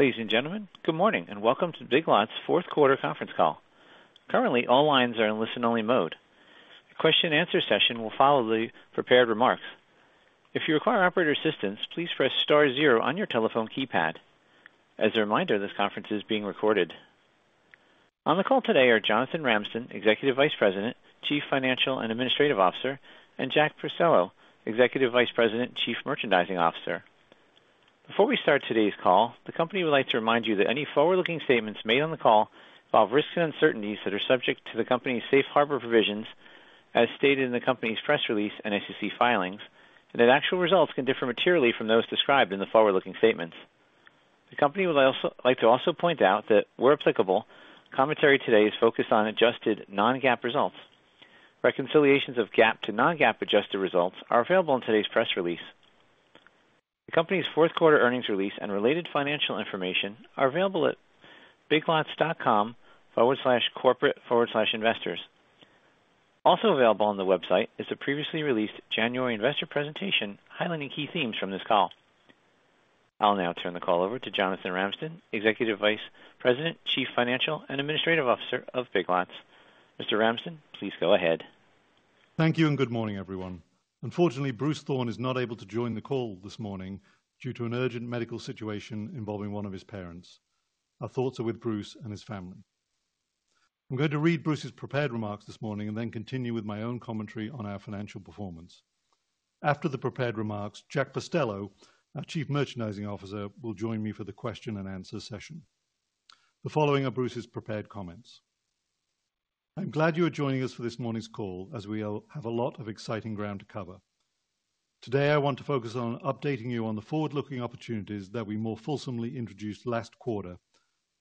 Ladies and gentlemen, good morning, and welcome to Big Lots' fourth quarter conference call. Currently, all lines are in listen-only mode. The question-and-answer session will follow the prepared remarks. If you require operator assistance, please press star zero on your telephone keypad. As a reminder, this conference is being recorded. On the call today are Jonathan Ramsden, Executive Vice President, Chief Financial and Administrative Officer, and Jack Pestello, Executive Vice President, Chief Merchandising Officer. Before we start today's call, the company would like to remind you that any forward-looking statements made on the call involve risks and uncertainties that are subject to the company's Safe Harbor provisions as stated in the company's press release and SEC filings, and that actual results can differ materially from those described in the forward-looking statements. The company would also like to point out that, where applicable, commentary today is focused on adjusted non-GAAP results. Reconciliations of GAAP to non-GAAP adjusted results are available in today's press release. The company's fourth quarter earnings release and related financial information are available at biglots.com/corporate/investors. Also available on the website is the previously released January investor presentation highlighting key themes from this call. I'll now turn the call over to Jonathan Ramsden, Executive Vice President, Chief Financial and Administrative Officer of Big Lots. Mr. Ramsden, please go ahead. Thank you, and good morning, everyone. Unfortunately, Bruce Thorn is not able to join the call this morning due to an urgent medical situation involving one of his parents. Our thoughts are with Bruce and his family. I'm going to read Bruce's prepared remarks this morning and then continue with my own commentary on our financial performance. After the prepared remarks, Jack Pestello, our Chief Merchandising Officer, will join me for the question and answer session. The following are Bruce's prepared comments. I'm glad you are joining us for this morning's call, as we all have a lot of exciting ground to cover. Today, I want to focus on updating you on the forward-looking opportunities that we more fulsomely introduced last quarter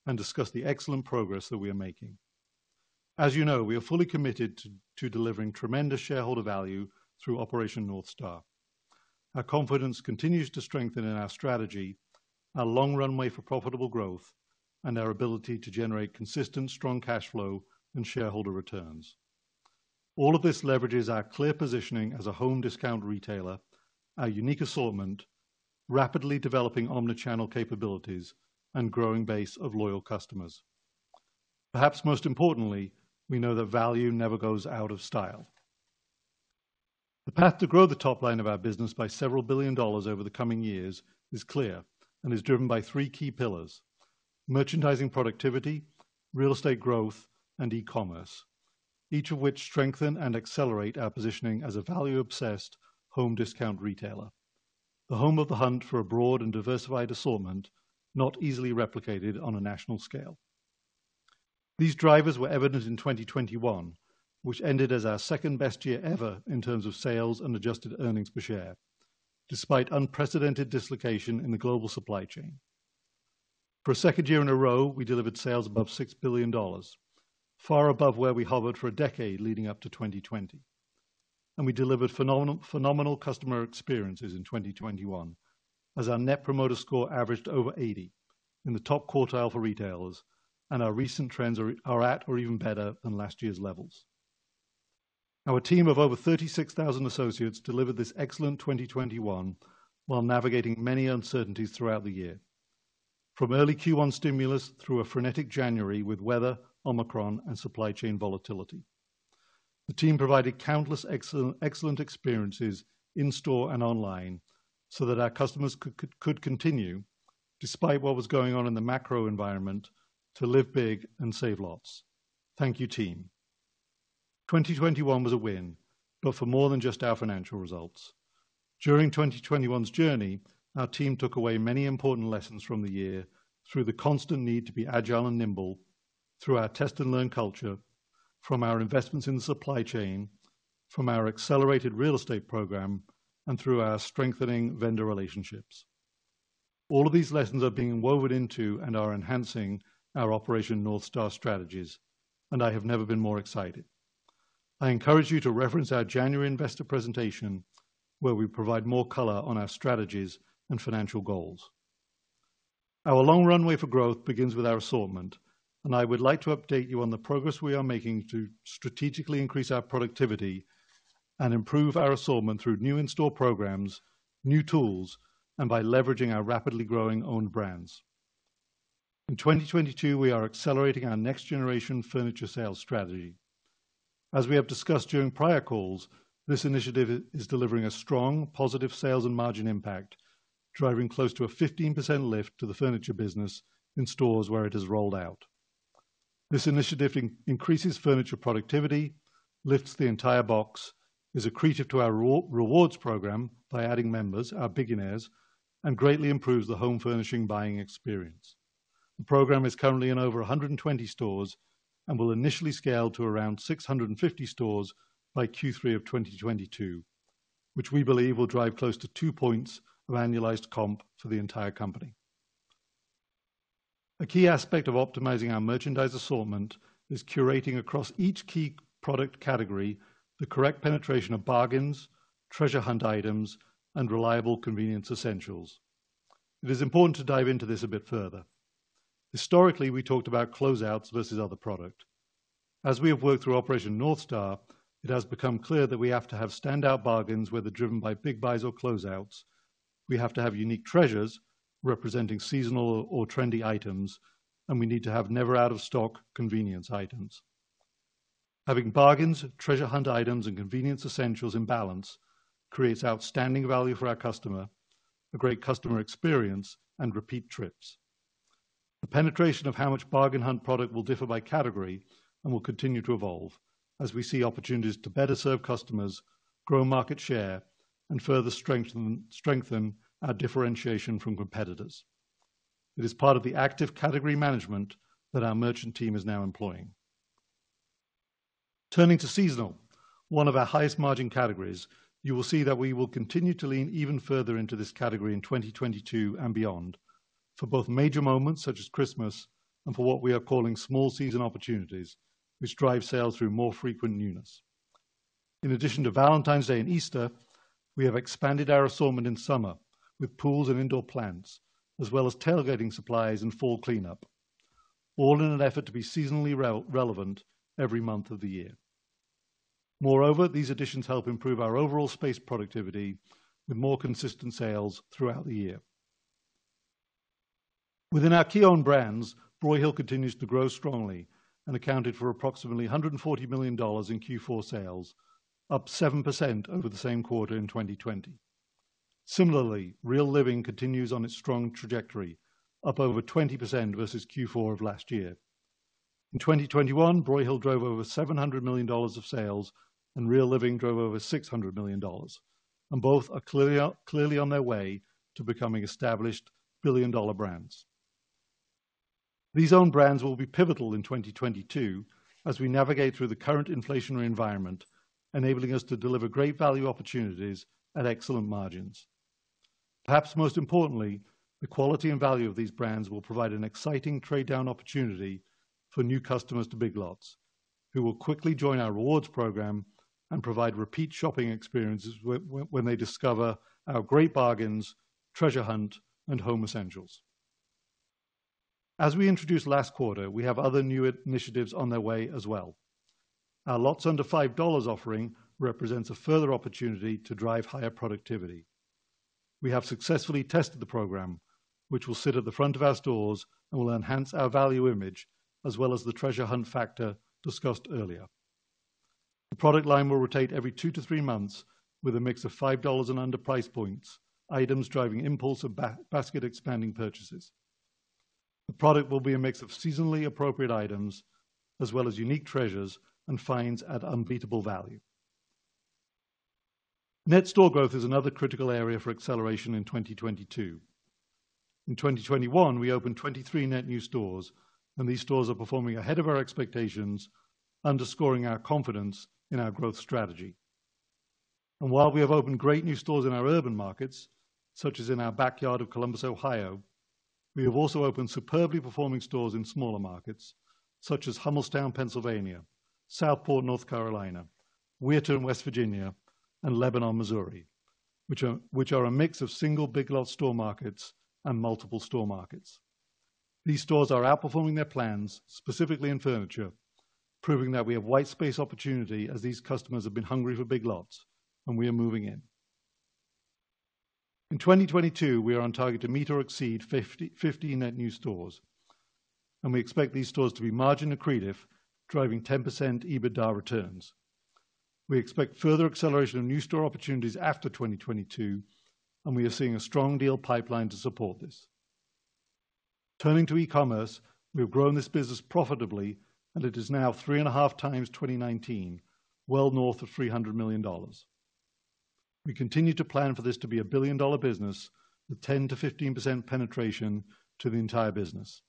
and discuss the excellent progress that we are making. As you know, we are fully committed to delivering tremendous shareholder value through Operation North Star. Our confidence continues to strengthen in our strategy, our long runway for profitable growth, and our ability to generate consistent, strong cash flow and shareholder returns. All of this leverages our clear positioning as a home discount retailer, our unique assortment, rapidly developing omni-channel capabilities, and growing base of loyal customers. Perhaps most importantly, we know that value never goes out of style. The path to grow the top line of our business by several billion dollars over the coming years is clear and is driven by three key pillars, merchandising productivity, real estate growth, and e-commerce, each of which strengthen and accelerate our positioning as a value-obsessed home discount retailer. The home of the hunt for a broad and diversified assortment, not easily replicated on a national scale. These drivers were evident in 2021, which ended as our second-best year ever in terms of sales and adjusted earnings per share, despite unprecedented dislocation in the global supply chain. For a second year in a row, we delivered sales above $6 billion, far above where we hovered for a decade leading up to 2020. We delivered phenomenal customer experiences in 2021, as our Net Promoter Score averaged over 80 in the top quartile for retailers, and our recent trends are at or even better than last year's levels. Our team of over 36,000 associates delivered this excellent 2021 while navigating many uncertainties throughout the year, from early Q1 stimulus through a frenetic January with weather, Omicron, and supply chain volatility. The team provided countless excellent experiences in store and online so that our customers could continue despite what was going on in the macro environment to live big and save lots. Thank you, team. 2021 was a win, but for more than just our financial results. During 2021's journey, our team took away many important lessons from the year through the constant need to be agile and nimble through our test and learn culture, from our investments in the supply chain, from our accelerated real estate program, and through our strengthening vendor relationships. All of these lessons are being woven into and are enhancing our Operation North Star strategies, and I have never been more excited. I encourage you to reference our January investor presentation, where we provide more color on our strategies and financial goals. Our long runway for growth begins with our assortment, and I would like to update you on the progress we are making to strategically increase our productivity and improve our assortment through new in-store programs, new tools, and by leveraging our rapidly growing own brands. In 2022, we are accelerating our next generation furniture sales strategy. As we have discussed during prior calls, this initiative is delivering a strong, positive sales and margin impact, driving close to a 15% lift to the furniture business in stores where it has rolled out. This initiative increases furniture productivity, lifts the entire box, is accretive to our rewards program by adding members, our BIGionaires, and greatly improves the home furnishing buying experience. The program is currently in over 120 stores and will initially scale to around 650 stores by Q3 of 2022, which we believe will drive close to two points of annualized comp for the entire company. A key aspect of optimizing our merchandise assortment is curating across each key product category the correct penetration of bargains, treasure hunt items, and reliable convenience essentials. It is important to dive into this a bit further. Historically, we talked about closeouts versus other product. As we have worked through Operation North Star, it has become clear that we have to have standout bargains, whether driven by big buys or closeouts. We have to have unique treasures representing seasonal or trendy items, and we need to have never out-of-stock convenience items. Having bargains, treasure hunt items, and convenience essentials in balance creates outstanding value for our customer, a great customer experience, and repeat trips. The penetration of how much bargain hunt product will differ by category and will continue to evolve as we see opportunities to better serve customers, grow market share, and further strengthen our differentiation from competitors. It is part of the active category management that our merchant team is now employing. Turning to seasonal, one of our highest margin categories, you will see that we will continue to lean even further into this category in 2022 and beyond for both major moments such as Christmas and for what we are calling small season opportunities, which drive sales through more frequent newness. In addition to Valentine's Day and Easter, we have expanded our assortment in summer with pools and indoor plants, as well as tailgating supplies and fall cleanup, all in an effort to be seasonally re-relevant every month of the year. Moreover, these additions help improve our overall space productivity with more consistent sales throughout the year. Within our key own brands, Broyhill continues to grow strongly and accounted for approximately $140 million in Q4 sales, up 7% over the same quarter in 2020. Similarly, Real Living continues on its strong trajectory, up over 20% versus Q4 of last year. In 2021, Broyhill drove over $700 million of sales, and Real Living drove over $600 million. Both are clearly on their way to becoming established billion-dollar brands. These own brands will be pivotal in 2022 as we navigate through the current inflationary environment, enabling us to deliver great value opportunities at excellent margins. Perhaps most importantly, the quality and value of these brands will provide an exciting trade-down opportunity for new customers to Big Lots, who will quickly join our rewards program and provide repeat shopping experiences when they discover our great bargains, treasure hunt, and home essentials. As we introduced last quarter, we have other new initiatives on their way as well. Our Lots Under $5 offering represents a further opportunity to drive higher productivity. We have successfully tested the program, which will sit at the front of our stores and will enhance our value image, as well as the treasure hunt factor discussed earlier. The product line will rotate every 2-3 months with a mix of $5 and under price points, items driving impulse or basket expanding purchases. The product will be a mix of seasonally appropriate items as well as unique treasures and finds at unbeatable value. Net store growth is another critical area for acceleration in 2022. In 2021, we opened 23 net new stores, and these stores are performing ahead of our expectations, underscoring our confidence in our growth strategy. While we have opened great new stores in our urban markets, such as in our backyard of Columbus, Ohio, we have also opened superbly performing stores in smaller markets such as Hummelstown, Pennsylvania, Southport, North Carolina, Weston, West Virginia, and Lebanon, Missouri, which are a mix of single Big Lots store markets and multiple store markets. These stores are outperforming their plans, specifically in furniture, proving that we have white space opportunity as these customers have been hungry for Big Lots, and we are moving in. In 2022, we are on target to meet or exceed 50-50 net new stores, and we expect these stores to be margin accretive, driving 10% EBITDA returns. We expect further acceleration of new store opportunities after 2022, and we are seeing a strong deal pipeline to support this. Turning to e-commerce, we have grown this business profitably, and it is now 3.5x 2019, well north of $300 million. We continue to plan for this to be a billion-dollar business with 10%-15% penetration to the entire business.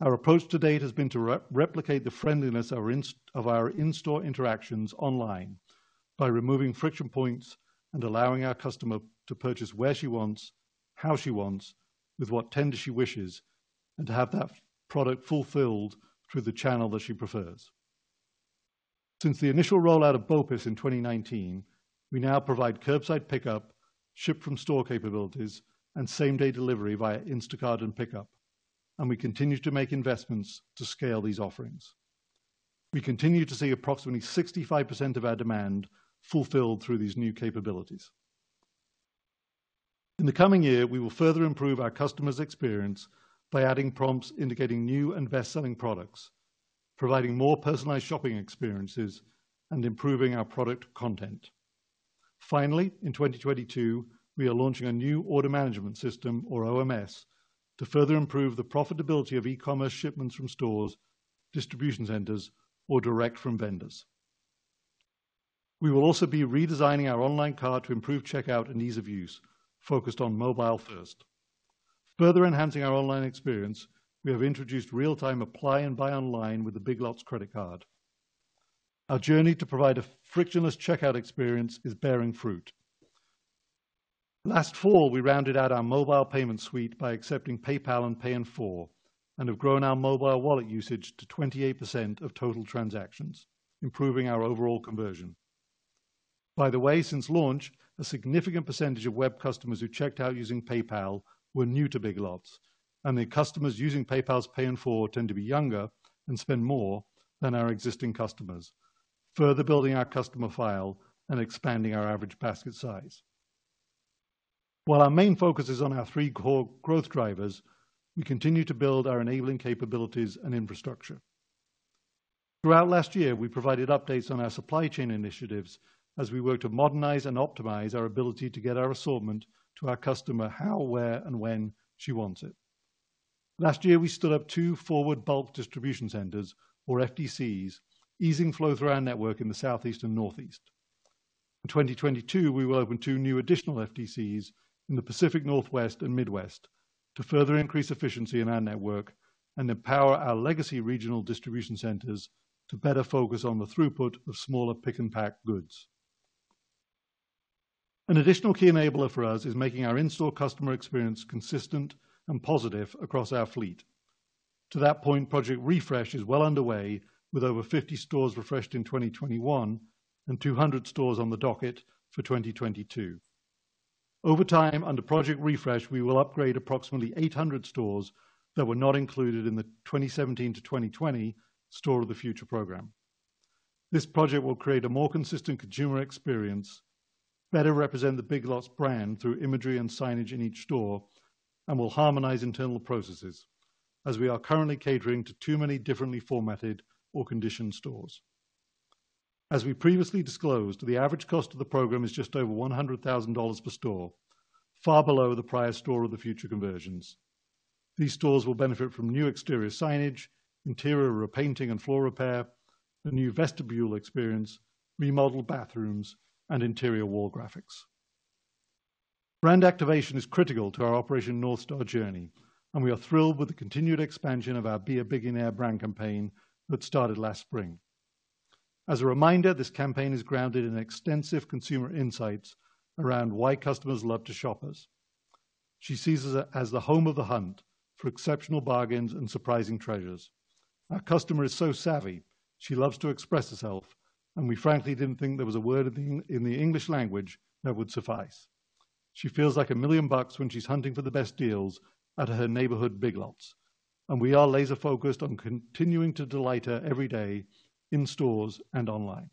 Our approach to date has been to replicate the friendliness of our in-store interactions online by removing friction points and allowing our customer to purchase where she wants, how she wants, with what tender she wishes, and to have that product fulfilled through the channel that she prefers. Since the initial rollout of BOPUS in 2019, we now provide curbside pickup, ship from store capabilities, and same-day delivery via Instacart and Pickup, and we continue to make investments to scale these offerings. We continue to see approximately 65% of our demand fulfilled through these new capabilities. In the coming year, we will further improve our customer's experience by adding prompts indicating new and best-selling products, providing more personalized shopping experiences, and improving our product content. Finally, in 2022, we are launching a new order management system or OMS to further improve the profitability of e-commerce shipments from stores, distribution centers, or direct from vendors. We will also be redesigning our online cart to improve checkout and ease of use focused on mobile first. Further enhancing our online experience, we have introduced real-time apply and buy online with the Big Lots credit card. Our journey to provide a frictionless checkout experience is bearing fruit. Last fall, we rounded out our mobile payment suite by accepting PayPal and Pay in 4 and have grown our mobile wallet usage to 28% of total transactions, improving our overall conversion. By the way, since launch, a significant percentage of web customers who checked out using PayPal were new to Big Lots. The customers using PayPal's Pay in 4 tend to be younger and spend more than our existing customers, further building our customer file and expanding our average basket size. While our main focus is on our three core growth drivers, we continue to build our enabling capabilities and infrastructure. Throughout last year, we provided updates on our supply chain initiatives as we work to modernize and optimize our ability to get our assortment to our customer how, where, and when she wants it. Last year, we stood up two forward bulk distribution centers or FDCs, easing flow through our network in the Southeast and Northeast. In 2022, we will open two new additional FDCs in the Pacific Northwest and Midwest to further increase efficiency in our network and empower our legacy regional distribution centers to better focus on the throughput of smaller pick and pack goods. An additional key enabler for us is making our in-store customer experience consistent and positive across our fleet. To that point, Project Refresh is well underway with over 50 stores refreshed in 2021 and 200 stores on the docket for 2022. Over time, under Project Refresh, we will upgrade approximately 800 stores that were not included in the 2017-2020 Store of the Future program. This project will create a more consistent consumer experience, better represent the Big Lots brand through imagery and signage in each store, and will harmonize internal processes as we are currently catering to too many differently formatted or conditioned stores. As we previously disclosed, the average cost of the program is just over $100,000 per store, far below the prior Store of the Future conversions. These stores will benefit from new exterior signage, interior repainting and floor repair, a new vestibule experience, remodeled bathrooms, and interior wall graphics. Brand activation is critical to our Operation North Star journey, and we are thrilled with the continued expansion of our Be A BIGionaire brand campaign that started last spring. As a reminder, this campaign is grounded in extensive consumer insights around why customers love to shop us. She sees us as the home of the hunt for exceptional bargains and surprising treasures. Our customer is so savvy, she loves to express herself, and we frankly didn't think there was a word in the English language that would suffice. She feels like a million bucks when she's hunting for the best deals at her neighborhood Big Lots, and we are laser focused on continuing to delight her every day in stores and online.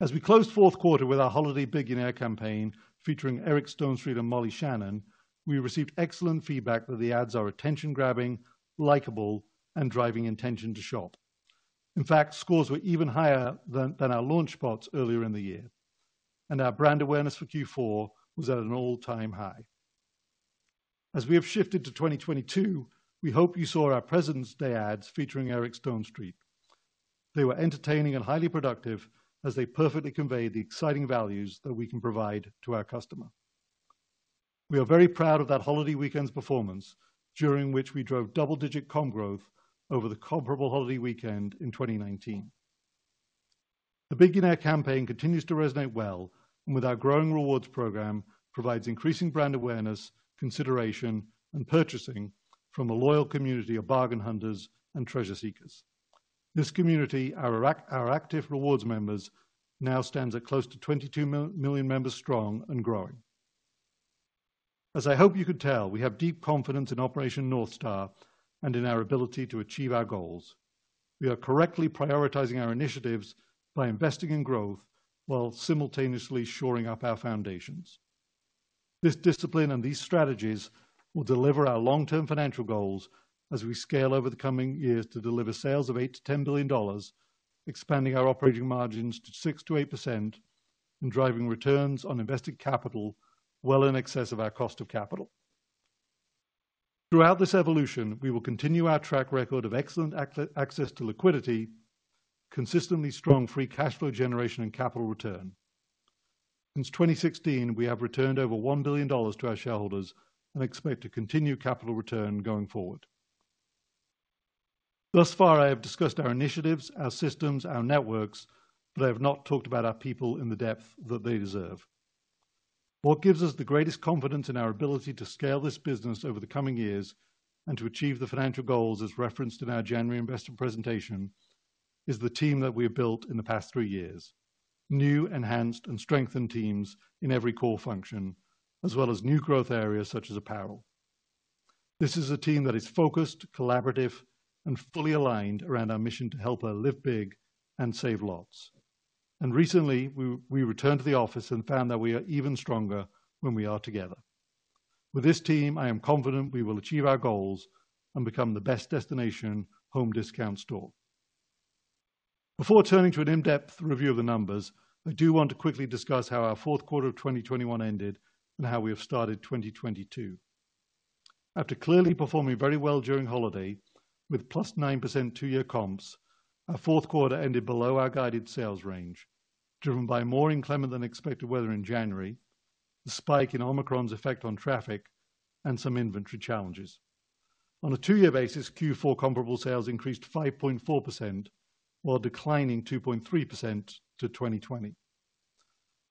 As we closed fourth quarter with our holiday BIGionaire campaign featuring Eric Stonestreet and Molly Shannon, we received excellent feedback that the ads are attention-grabbing, likable, and driving intention to shop. In fact, scores were even higher than our launch spots earlier in the year. Our brand awareness for Q4 was at an all-time high. As we have shifted to 2022, we hope you saw our President's Day ads featuring Eric Stonestreet. They were entertaining and highly productive as they perfectly convey the exciting values that we can provide to our customer. We are very proud of that holiday weekend's performance, during which we drove double-digit comp growth over the comparable holiday weekend in 2019. The BIGionaire campaign continues to resonate well, and with our growing rewards program, provides increasing brand awareness, consideration, and purchasing from a loyal community of bargain hunters and treasure seekers. This community, our active rewards members, now stands at close to 22 million members strong and growing. As I hope you could tell, we have deep confidence in Operation North Star and in our ability to achieve our goals. We are correctly prioritizing our initiatives by investing in growth while simultaneously shoring up our foundations. This discipline and these strategies will deliver our long-term financial goals as we scale over the coming years to deliver sales of $8 billion-$10 billion, expanding our operating margins to 6%-8% and driving returns on invested capital well in excess of our cost of capital. Throughout this evolution, we will continue our track record of excellent access to liquidity, consistently strong free cash flow generation, and capital return. Since 2016, we have returned over $1 billion to our shareholders and expect to continue capital return going forward. Thus far, I have discussed our initiatives, our systems, our networks, but I have not talked about our people in the depth that they deserve. What gives us the greatest confidence in our ability to scale this business over the coming years and to achieve the financial goals as referenced in our January investor presentation, is the team that we have built in the past three years. New, enhanced, and strengthened teams in every core function, as well as new growth areas such as apparel. This is a team that is focused, collaborative, and fully aligned around our mission to help her live big and save lots. Recently, we returned to the office and found that we are even stronger when we are together. With this team, I am confident we will achieve our goals and become the best destination home discount store. Before turning to an in-depth review of the numbers, I do want to quickly discuss how our fourth quarter of 2021 ended and how we have started 2022. After clearly performing very well during holiday, with +9% two-year comps, our fourth quarter ended below our guided sales range, driven by more inclement than expected weather in January, the spike in Omicron's effect on traffic, and some inventory challenges. On a two-year basis, Q4 comparable sales increased 5.4% while declining 2.3% to 2020.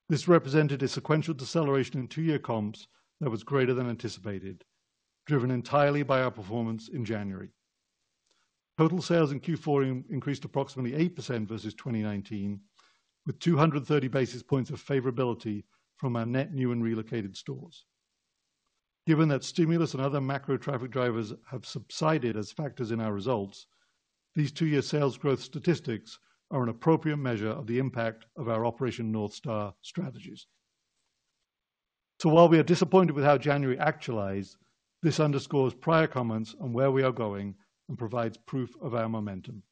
This represented a sequential deceleration in two-year comps that was greater than anticipated, driven entirely by our performance in January. Total sales in Q4 increased approximately 8% versus 2019, with 230 basis points of favorability from our net new and relocated stores. Given that stimulus and other macro traffic drivers have subsided as factors in our results, these two-year sales growth statistics are an appropriate measure of the impact of our Operation North Star strategies. While we are disappointed with how January actualized, this underscores prior comments on where we are going and provides proof of our momentum.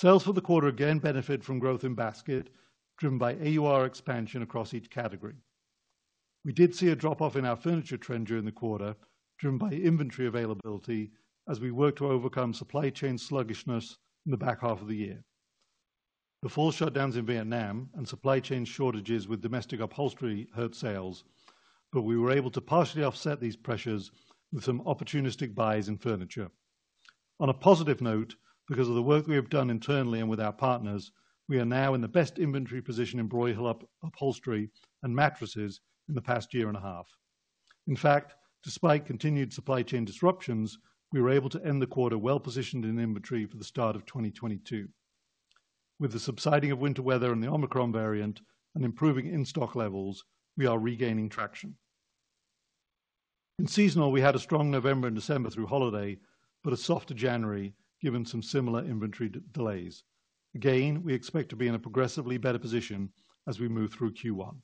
Sales for the quarter again benefit from growth in basket, driven by AUR expansion across each category. We did see a drop off in our furniture trend during the quarter, driven by inventory availability as we work to overcome supply chain sluggishness in the back half of the year. The fall shutdowns in Vietnam and supply chain shortages with domestic upholstery hurt sales, but we were able to partially offset these pressures with some opportunistic buys in furniture. On a positive note, because of the work we have done internally and with our partners, we are now in the best inventory position in Broyhill upholstery and mattresses in the past year and a half. In fact, despite continued supply chain disruptions, we were able to end the quarter well positioned in inventory for the start of 2022. With the subsiding of winter weather and the Omicron variant and improving in-stock levels, we are regaining traction. In seasonal, we had a strong November and December through holiday, but a softer January, given some similar inventory delays. Again, we expect to be in a progressively better position as we move through Q1.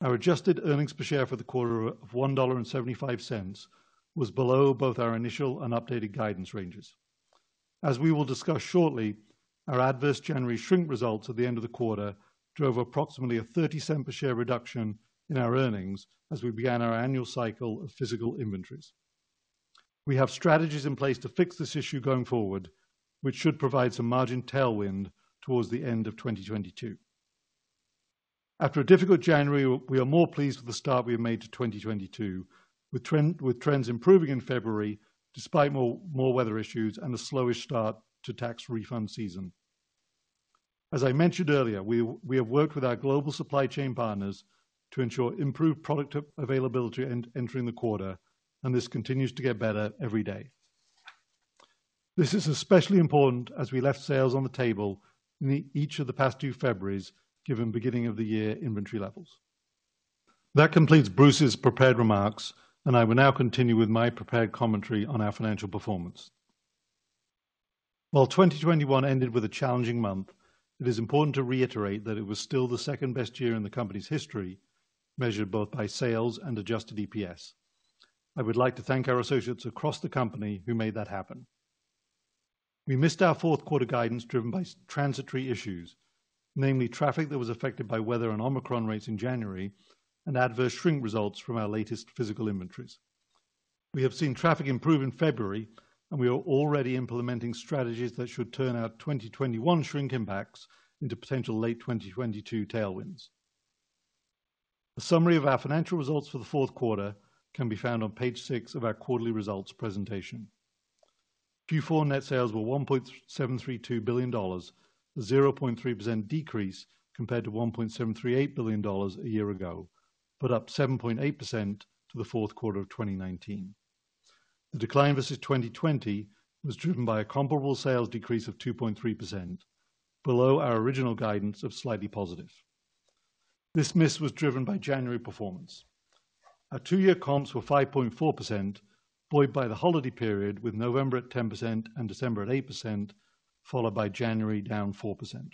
Our adjusted earnings per share for the quarter of $1.75 was below both our initial and updated guidance ranges. As we will discuss shortly, our adverse January shrink results at the end of the quarter drove approximately a $0.30 per share reduction in our earnings as we began our annual cycle of physical inventories. We have strategies in place to fix this issue going forward, which should provide some margin tailwind towards the end of 2022. After a difficult January, we are more pleased with the start we have made to 2022, with trends improving in February despite more weather issues and a slower start to tax refund season. As I mentioned earlier, we have worked with our global supply chain partners to ensure improved product availability entering the quarter, and this continues to get better every day. This is especially important as we left sales on the table in each of the past two Februaries given beginning of the year inventory levels. That completes Bruce's prepared remarks, and I will now continue with my prepared commentary on our financial performance. While 2021 ended with a challenging month, it is important to reiterate that it was still the second-best year in the company's history, measured both by sales and adjusted EPS. I would like to thank our associates across the company who made that happen. We missed our fourth quarter guidance driven by transitory issues, namely traffic that was affected by weather and Omicron rates in January and adverse shrink results from our latest physical inventories. We have seen traffic improve in February, and we are already implementing strategies that should turn our 2021 shrink impacts into potential late 2022 tailwinds. A summary of our financial results for the fourth quarter can be found on page 6 of our quarterly results presentation. Q4 net sales were $1.732 billion, a 0.3% decrease compared to $1.738 billion a year ago, but up 7.8% to the fourth quarter of 2019. The decline versus 2020 was driven by a comparable sales decrease of 2.3%, below our original guidance of slightly positive. This miss was driven by January performance. Our two-year comps were 5.4%, buoyed by the holiday period, with November at 10% and December at 8%, followed by January down 4%.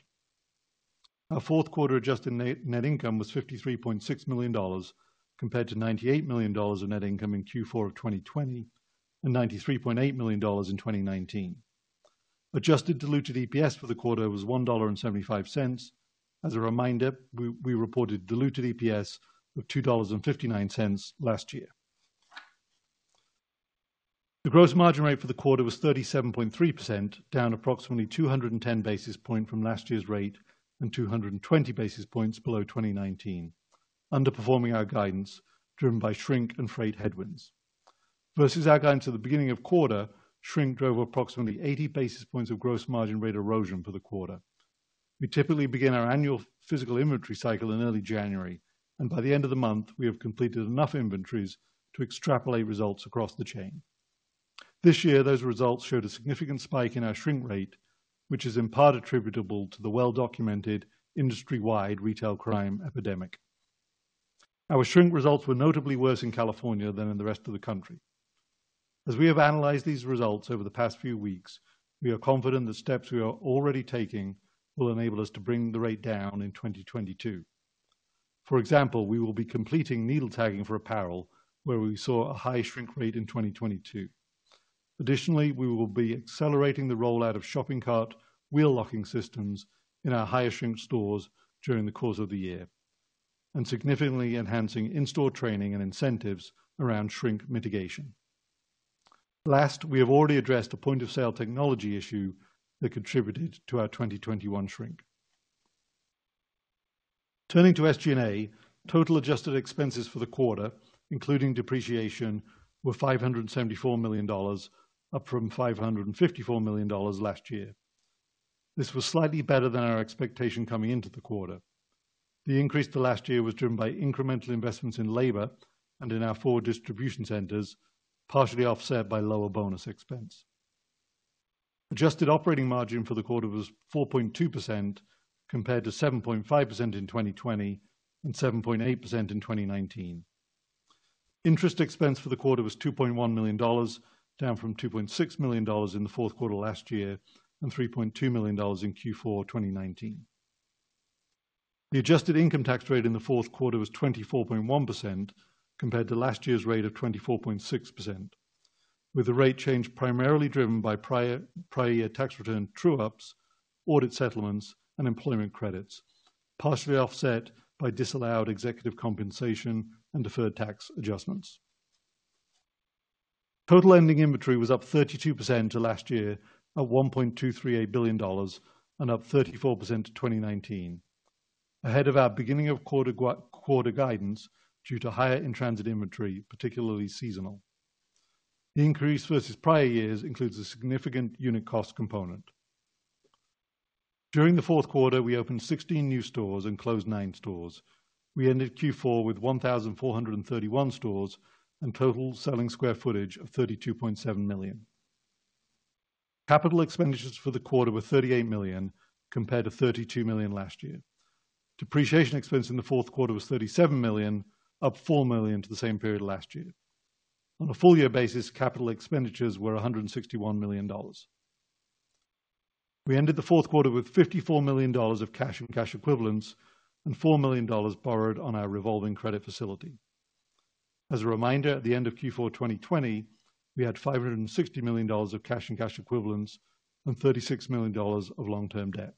Our fourth quarter adjusted net income was $53.6 million, compared to $98 million in net income in Q4 of 2020 and $93.8 million in 2019. Adjusted diluted EPS for the quarter was $1.75. As a reminder, we reported diluted EPS of $2.59 last year. The gross margin rate for the quarter was 37.3%, down approximately 210 basis points from last year's rate and 220 basis points below 2019, underperforming our guidance driven by shrink and freight headwinds. Versus our guidance at the beginning of quarter, shrink drove approximately 80 basis points of gross margin rate erosion for the quarter. We typically begin our annual physical inventory cycle in early January, and by the end of the month, we have completed enough inventories to extrapolate results across the chain. This year, those results showed a significant spike in our shrink rate, which is in part attributable to the well-documented industry-wide retail crime epidemic. Our shrink results were notably worse in California than in the rest of the country. As we have analyzed these results over the past few weeks, we are confident the steps we are already taking will enable us to bring the rate down in 2022. For example, we will be completing needle tagging for apparel, where we saw a high shrink rate in 2022. Additionally, we will be accelerating the rollout of shopping cart wheel locking systems in our higher shrink stores during the course of the year and significantly enhancing in-store training and incentives around shrink mitigation. Last, we have already addressed a point-of-sale technology issue that contributed to our 2021 shrink. Turning to SG&A, total adjusted expenses for the quarter, including depreciation, were $574 million, up from $554 million last year. This was slightly better than our expectation coming into the quarter. The increase to last year was driven by incremental investments in labor and in our four distribution centers, partially offset by lower bonus expense. Adjusted operating margin for the quarter was 4.2% compared to 7.5% in 2020 and 7.8% in 2019. Interest expense for the quarter was $2.1 million, down from $2.6 million in the fourth quarter last year and $3.2 million in Q4 2019. The adjusted income tax rate in the fourth quarter was 24.1% compared to last year's rate of 24.6%, with the rate change primarily driven by prior year tax return true-ups, audit settlements, and employment credits, partially offset by disallowed executive compensation and deferred tax adjustments. Total ending inventory was up 32% from last year at $1.238 billion and up 34% from 2019. Ahead of our beginning-of-quarter guidance due to higher in-transit inventory, particularly seasonal. The increase versus prior years includes a significant unit cost component. During the fourth quarter, we opened 16 new stores and closed nine stores. We ended Q4 with 1,431 stores and total selling square footage of 32.7 million sq ft. Capital expenditures for the quarter were $38 million compared to $32 million last year. Depreciation expense in the fourth quarter was $37 million, up $4 million from the same period last year. On a full-year basis, capital expenditures were $161 million. We ended the fourth quarter with $54 million of cash and cash equivalents and $4 million borrowed on our revolving credit facility. As a reminder, at the end of Q4 2020, we had $560 million of cash and cash equivalents and $36 million of long-term debt.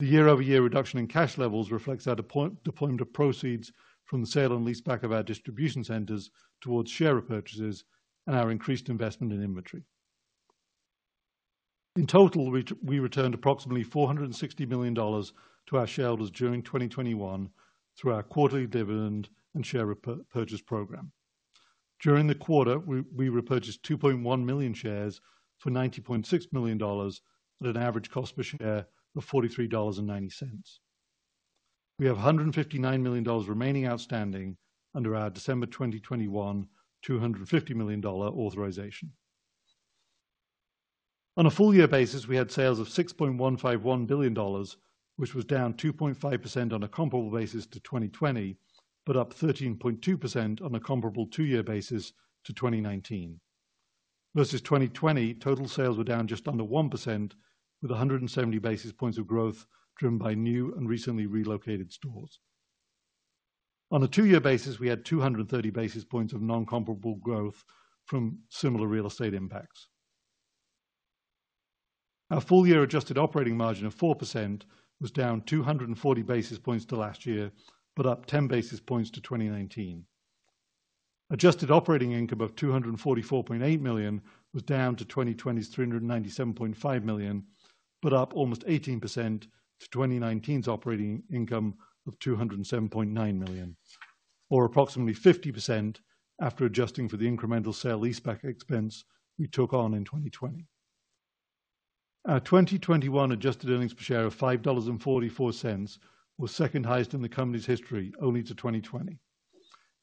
The year-over-year reduction in cash levels reflects our deployment of proceeds from the sale and leaseback of our distribution centers towards share repurchases and our increased investment in inventory. In total, we returned approximately $460 million to our shareholders during 2021 through our quarterly dividend and share purchase program. During the quarter, we repurchased 2.1 million shares for $90.6 million at an average cost per share of $43.90. We have $159 million remaining outstanding under our December 2021, $250 million authorization. On a full year basis, we had sales of $6.151 billion, which was down 2.5% on a comparable basis to 2020, but up 13.2% on a comparable two-year basis to 2019. Versus 2020, total sales were down just under 1% with 170 basis points of growth driven by new and recently relocated stores. On a two-year basis, we had 230 basis points of non-comparable growth from similar real estate impacts. Our full year adjusted operating margin of 4% was down 240 basis points to last year, but up 10 basis points to 2019. Adjusted operating income of $244.8 million was down to 2020's $397.5 million, but up almost 18% to 2019's operating income of $207.9 million, or approximately 50% after adjusting for the incremental sale leaseback expense we took on in 2020. Our 2021 adjusted earnings per share of $5.44 was second highest in the company's history, only to 2020.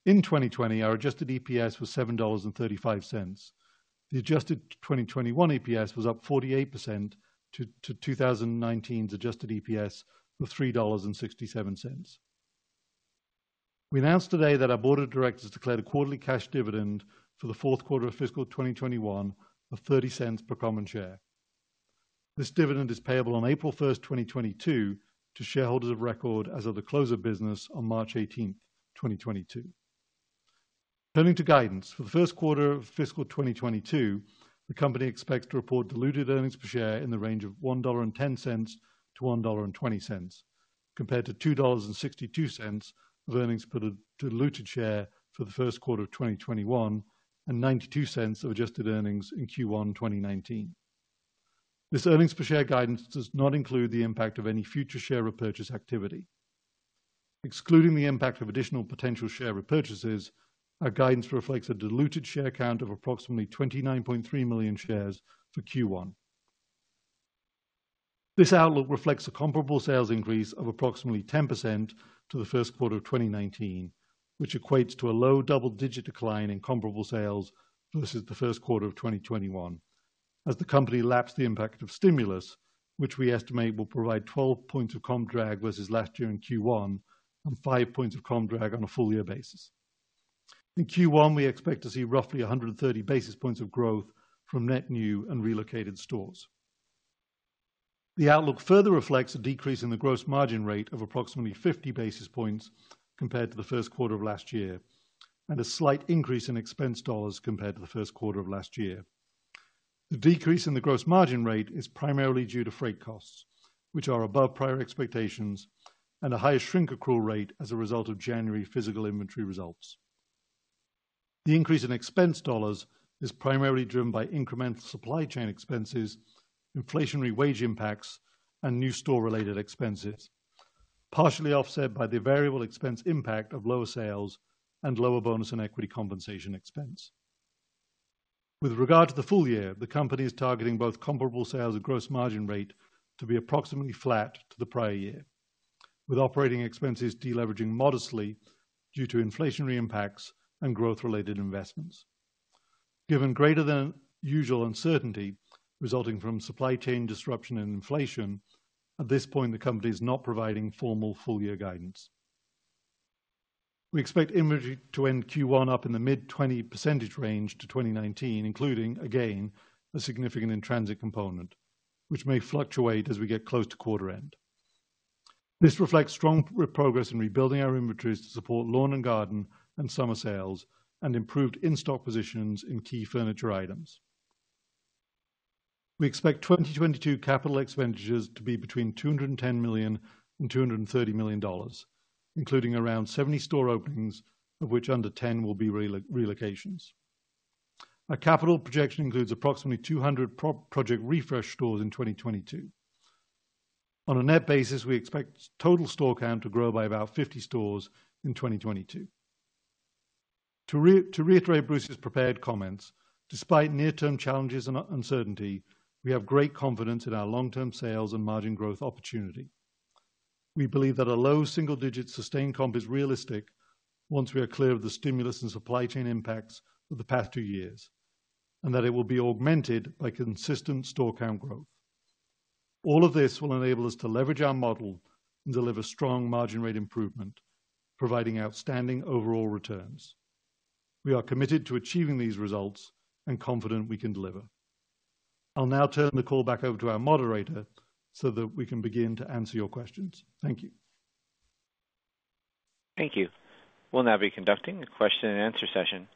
In 2020, our adjusted EPS was $7.35. The adjusted 2021 EPS was up 48% to 2019's adjusted EPS of $3.67. We announced today that our board of directors declared a quarterly cash dividend for the fourth quarter of fiscal 2021 of $0.30 per common share. This dividend is payable on April 1, 2022 to shareholders of record as of the close of business on March 18, 2022. Turning to guidance. For the first quarter of fiscal 2022, the company expects to report diluted earnings per share in the range of $1.10-$1.20, compared to $2.62 of earnings per diluted share for the first quarter of 2021 and $0.92 of adjusted earnings in Q1 2019. This earnings per share guidance does not include the impact of any future share repurchase activity. Excluding the impact of additional potential share repurchases, our guidance reflects a diluted share count of approximately 29.3 million shares for Q1. This outlook reflects a comparable sales increase of approximately 10% to the first quarter of 2019, which equates to a low double-digit decline in comparable sales versus the first quarter of 2021 as the company laps the impact of stimulus, which we estimate will provide 12 points of comp drag versus last year in Q1 and five points of comp drag on a full year basis. In Q1, we expect to see roughly 130 basis points of growth from net new and relocated stores. The outlook further reflects a decrease in the gross margin rate of approximately 50 basis points compared to the first quarter of last year, and a slight increase in expense dollars compared to the first quarter of last year. The decrease in the gross margin rate is primarily due to freight costs, which are above prior expectations and a higher shrink accrual rate as a result of January physical inventory results. The increase in expense dollars is primarily driven by incremental supply chain expenses, inflationary wage impacts, and new store-related expenses, partially offset by the variable expense impact of lower sales and lower bonus and equity compensation expense. With regard to the full year, the company is targeting both comparable sales and gross margin rate to be approximately flat to the prior year, with operating expenses deleveraging modestly due to inflationary impacts and growth-related investments. Given greater than usual uncertainty resulting from supply chain disruption and inflation, at this point, the company is not providing formal full-year guidance. We expect inventory to end Q1 up in the mid-20% range to 2019, including again, a significant in-transit component, which may fluctuate as we get close to quarter end. This reflects strong progress in rebuilding our inventories to support lawn and garden and summer sales and improved in-stock positions in key furniture items. We expect 2022 capital expenditures to be between $210 million and $230 million, including around 70 store openings, of which under 10 will be relocations. Our capital projection includes approximately 200 Project Refresh stores in 2022. On a net basis, we expect total store count to grow by about 50 stores in 2022. To reiterate Bruce's prepared comments, despite near-term challenges and uncertainty, we have great confidence in our long-term sales and margin growth opportunity. We believe that a low single-digit sustained comp is realistic once we are clear of the stimulus and supply chain impacts of the past two years, and that it will be augmented by consistent store count growth. All of this will enable us to leverage our model and deliver strong margin rate improvement, providing outstanding overall returns. We are committed to achieving these results and confident we can deliver. I'll now turn the call back over to our moderator so that we can begin to answer your questions. Thank you. Thank you. We'll now be conducting a question-and-answer session.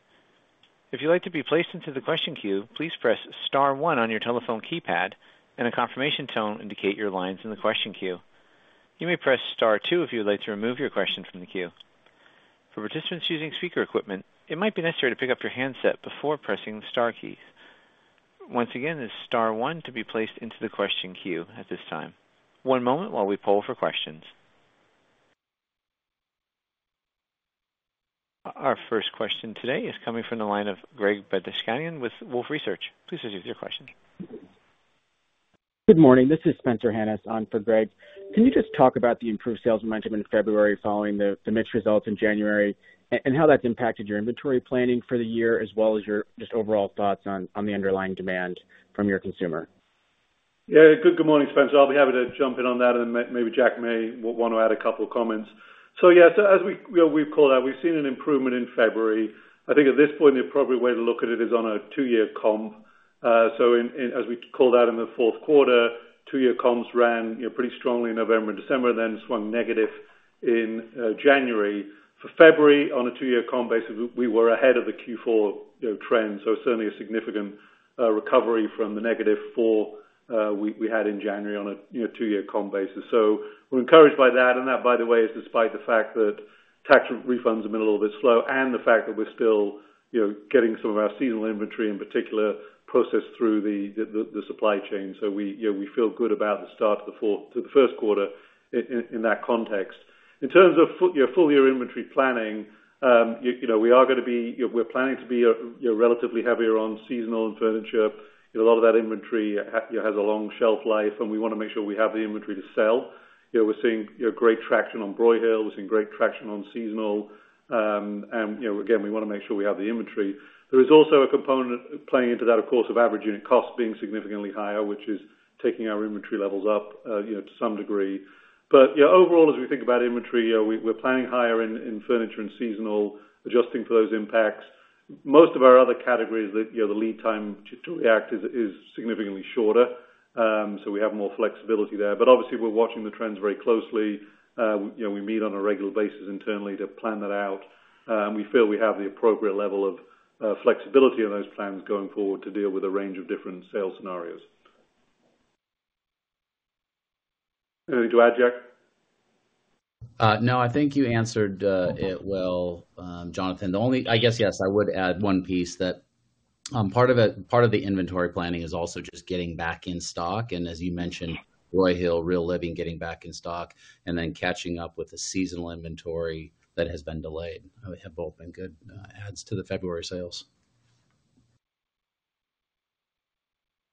If you'd like to be placed into the question queue, please press star one on your telephone keypad and a confirmation tone will indicate your line's in the question queue. You may press star two if you would like to remove your question from the queue. For participants using speaker equipment, it might be necessary to pick up your handset before pressing the star keys. Once again, it's star one to be placed into the question queue at this time. One moment while we poll for questions. Our first question today is coming from the line of Greg Badishkanian with Wolfe Research. Please proceed with your question. Good morning. This is Spencer Hanus on for Greg. Can you just talk about the improved sales momentum in February following the mixed results in January and how that's impacted your inventory planning for the year as well as your just overall thoughts on the underlying demand from your consumer? Yeah. Good morning, Spencer. I'll be happy to jump in on that, and maybe Jack may want to add a couple of comments. Yes, as we, you know, we've called out, we've seen an improvement in February. I think at this point, the appropriate way to look at it is on a two-year comp. As we called out in the fourth quarter, two-year comps ran, you know, pretty strongly in November and December, then swung negative in January. For February, on a two-year comp basis, we were ahead of the Q4, you know, trend, so certainly a significant recovery from the negative fall we had in January on a two-year comp basis. We're encouraged by that. That, by the way, is despite the fact that tax refunds have been a little bit slow and the fact that we're still getting some of our seasonal inventory, in particular, processed through the supply chain. We feel good about the start of the first quarter in that context. In terms of full-year inventory planning, we're planning to be relatively heavier on seasonal and furniture. A lot of that inventory has a long shelf life, and we want to make sure we have the inventory to sell. We're seeing great traction on Broyhill. We're seeing great traction on seasonal. Again, we want to make sure we have the inventory. There is also a component playing into that, of course, of average unit cost being significantly higher, which is taking our inventory levels up, you know, to some degree. You know, overall, as we think about inventory, you know, we're planning higher in furniture and seasonal, adjusting for those impacts. Most of our other categories that, you know, the lead time to react is significantly shorter, so we have more flexibility there. Obviously, we're watching the trends very closely. You know, we meet on a regular basis internally to plan that out. We feel we have the appropriate level of flexibility in those plans going forward to deal with a range of different sales scenarios. Anything to add, Jack? No, I think you answered it well, Jonathan. The only, I guess, yes, I would add one piece that part of the inventory planning is also just getting back in stock. As you mentioned, Broyhill, Real Living getting back in stock and then catching up with the seasonal inventory that has been delayed have both been good adds to the February sales.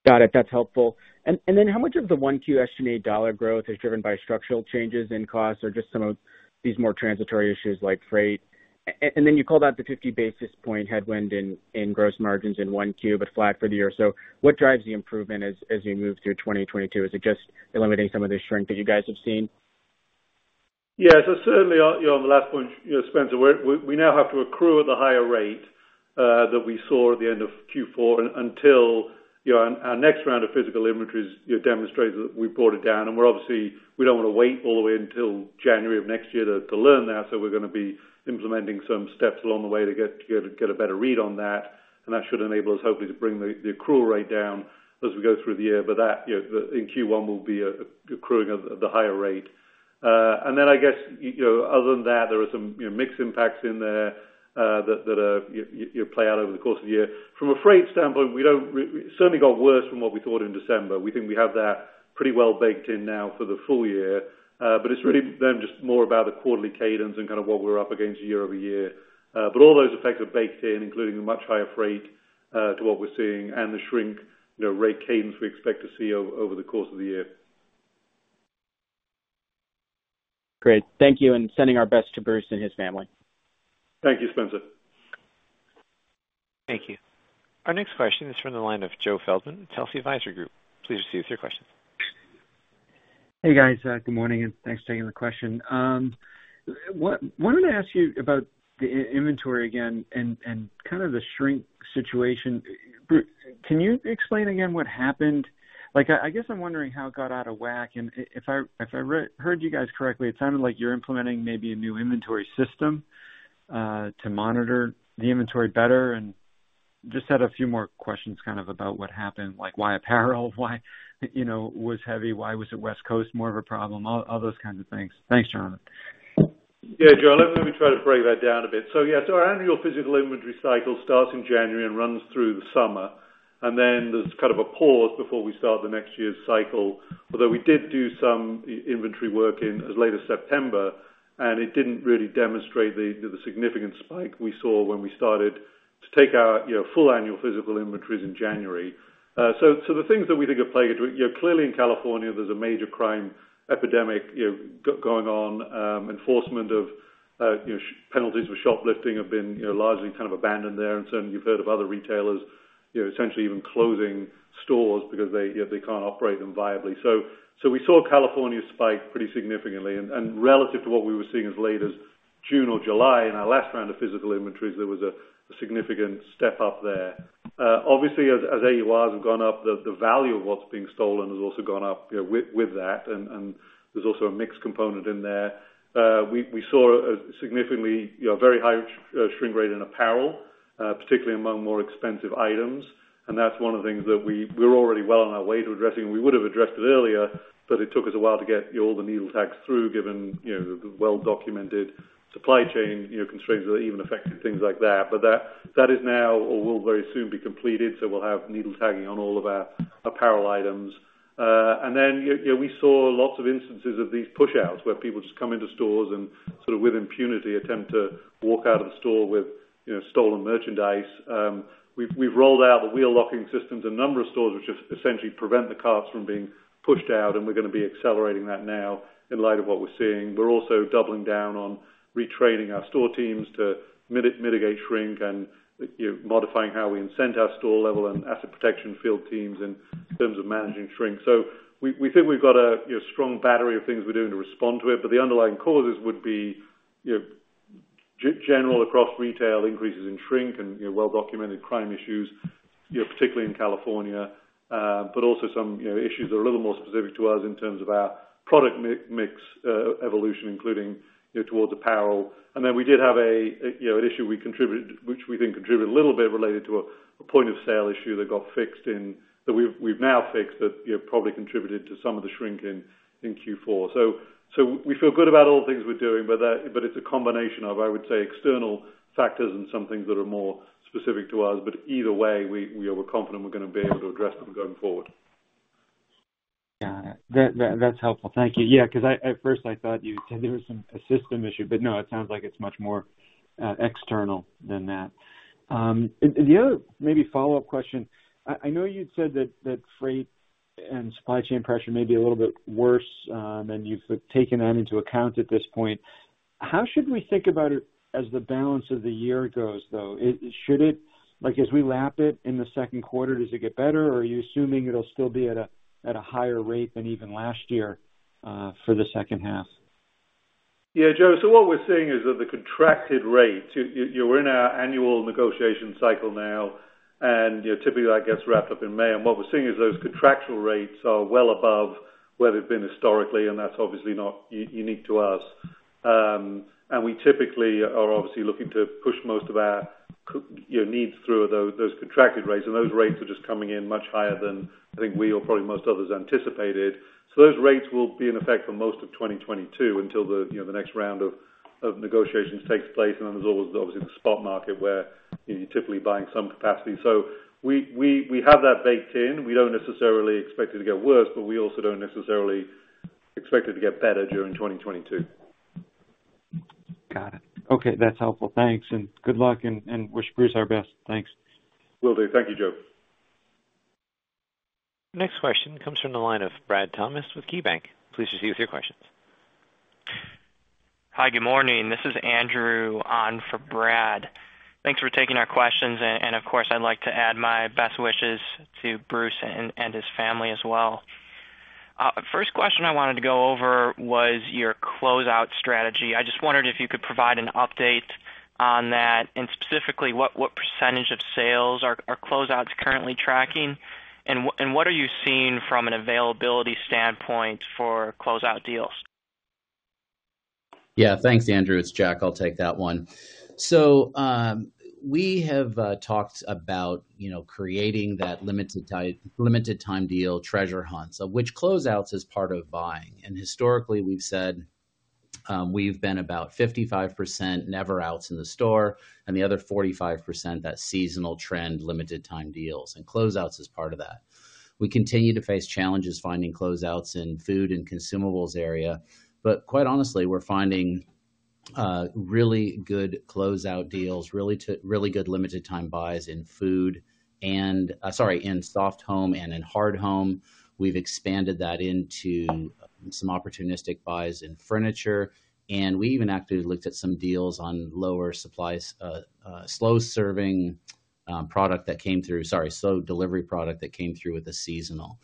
Got it. That's helpful. How much of the 1Q estimate dollar growth is driven by structural changes in costs or just some of these more transitory issues like freight? You called out the 50 basis point headwind in gross margins in 1Q, but flat for the year. What drives the improvement as you move through 2022? Is it just eliminating some of the shrink that you guys have seen? Yeah. Certainly on the last point Spencer, we now have to accrue at the higher rate that we saw at the end of Q4 until our next round of physical inventories demonstrates that we brought it down. We're obviously we don't want to wait all the way until January of next year to learn that. We're gonna be implementing some steps along the way to get a better read on that. That should enable us, hopefully, to bring the accrual rate down as we go through the year. That, you know, in Q1 will be accruing at the higher rate. I guess, you know, other than that, there are some, you know, mixed impacts in there that you play out over the course of the year. From a freight standpoint, we certainly got worse from what we thought in December. We think we have that pretty well baked in now for the full year. It's really just more about the quarterly cadence and kind of what we're up against year-over-year. All those effects are baked in, including the much higher freight to what we're seeing and the shrink, you know, rate cadence we expect to see over the course of the year. Great. Thank you, and sending our best to Bruce and his family. Thank you, Spencer. Thank you. Our next question is from the line of Joe Feldman, Telsey Advisory Group. Please proceed with your question. Hey, guys. Good morning, and thanks for taking the question. Wanted to ask you about the inventory again and kind of the shrink situation. Can you explain again what happened? Like, I guess I'm wondering how it got out of whack, and if I heard you guys correctly, it sounded like you're implementing maybe a new inventory system to monitor the inventory better and just had a few more questions kind of about what happened, like why apparel was heavy, why was it West Coast more of a problem, all those kinds of things. Thanks, gentlemen. Yeah, Joe, let me try to break that down a bit. Yeah, our annual physical inventory cycle starts in January and runs through the summer. Then there's kind of a pause before we start the next year's cycle, although we did do some inventory work in as late as September, and it didn't really demonstrate the significant spike we saw when we started to take our full annual physical inventories in January. The things that we think are plaguing it, you know, clearly in California, there's a major crime epidemic, you know, going on. Enforcement of shoplifting penalties have been largely kind of abandoned there. Certainly you've heard of other retailers, you know, essentially even closing stores because they can't operate them viably. We saw California spike pretty significantly. Relative to what we were seeing as late as June or July in our last round of physical inventories, there was a significant step up there. Obviously, as AURs have gone up, the value of what's being stolen has also gone up, you know, with that, and there's also a mixed component in there. We saw a significantly, you know, very high shrink rate in apparel, particularly among more expensive items. That's one of the things that we're already well on our way to addressing. We would have addressed it earlier, but it took us a while to get all the needle tags through, given, you know, the well-documented supply chain, you know, constraints that even affected things like that. That is now or will very soon be completed. We'll have needle tagging on all of our apparel items. You know, we saw lots of instances of these push outs where people just come into stores and sort of with impunity, attempt to walk out of the store with, you know, stolen merchandise. We've rolled out the wheel locking systems in a number of stores, which just essentially prevent the carts from being pushed out, and we're gonna be accelerating that now in light of what we're seeing. We're also doubling down on retraining our store teams to mitigate shrink and, you know, modifying how we incent our store level and asset protection field teams in terms of managing shrink. We think we've got a strong battery of things we're doing to respond to it, but the underlying causes would be general across retail increases in shrink and well-documented crime issues, particularly in California, but also some issues that are a little more specific to us in terms of our product mix evolution, including towards apparel. We did have an issue which we think contributed a little bit related to a point of sale issue that we've now fixed, probably contributed to some of the shrink in Q4. We feel good about all the things we're doing, but it's a combination of, I would say, external factors and some things that are more specific to us. Either way, we, you know, we're confident we're gonna be able to address them going forward. Got it. That's helpful. Thank you. Yeah, 'cause at first I thought you said there was a system issue, but no, it sounds like it's much more external than that. And the other maybe follow-up question, I know you'd said that freight and supply chain pressure may be a little bit worse than you've taken that into account at this point. How should we think about it as the balance of the year goes, though? Should it like, as we lap it in the second quarter, does it get better, or are you assuming it'll still be at a higher rate than even last year for the second half? Yeah, Joe. What we're seeing is that the contracted rates, you know, we're in our annual negotiation cycle now, and you know, typically that gets wrapped up in May. What we're seeing is those contractual rates are well above where they've been historically, and that's obviously not unique to us. We typically are obviously looking to push most of our you know, needs through those contracted rates, and those rates are just coming in much higher than I think we or probably most others anticipated. Those rates will be in effect for most of 2022 until you know, the next round of negotiations takes place. There's always obviously the spot market where, you know, you're typically buying some capacity. We have that baked in. We don't necessarily expect it to get worse, but we also don't necessarily expect it to get better during 2022. Got it. Okay, that's helpful. Thanks, and good luck and wish Bruce our best. Thanks. Will do. Thank you, Joe. Next question comes from the line of Brad Thomas with KeyBanc. Please proceed with your questions. Hi, good morning. This is Andrew on for Brad. Thanks for taking our questions. Of course, I'd like to add my best wishes to Bruce and his family as well. First question I wanted to go over was your closeout strategy. I just wondered if you could provide an update on that, and specifically, what percentage of sales are closeouts currently tracking, and what are you seeing from an availability standpoint for closeout deals? Yeah. Thanks, Andrew. It's Jack. I'll take that one. We have talked about, you know, creating that limited time deal treasure hunt. Closeouts is part of buying. Historically, we've said we've been about 55% never outs in the store and the other 45% that seasonal trend, limited time deals, and closeouts is part of that. We continue to face challenges finding closeouts in food and consumables area. Quite honestly, we're finding really good closeout deals, really good limited time buys in soft home and in hard home. We've expanded that into some opportunistic buys in furniture, and we even actively looked at some deals on lower supplies, slow delivery product that came through with the seasonal.